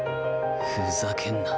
ふざけんな。